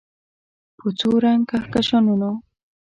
په څو رنګ کهکشانونه